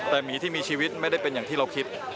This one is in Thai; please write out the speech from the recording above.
แต่หมีที่มีชีวิตไม่ได้เป็นอย่างที่เราคิด